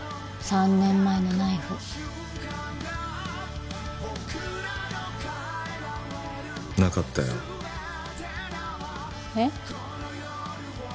３年前のナイフなかったよえっ？